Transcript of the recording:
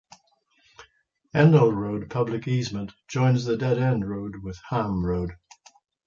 Endall Road public easement joins the dead end road with Hamm Road.